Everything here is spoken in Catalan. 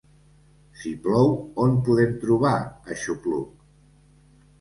Si plou, on podem trobar aixopluc?